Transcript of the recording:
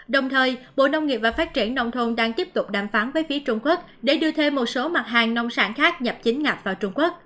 đồng thời bộ nông nghiệp và phát triển nông thôn đang tiếp tục đàm phán với phía trung quốc để đưa thêm một số mặt hàng nông sản khác nhập chính ngạch vào trung quốc